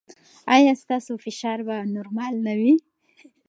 ایا ستاسو فشار به نورمال نه وي؟